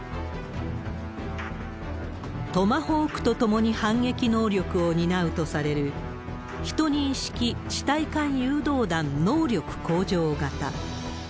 トマホークとともに反撃能力を担うとされる、１２式地対艦誘導弾能力向上型。